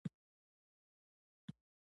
یو پولي واحد په بل بدلېږي.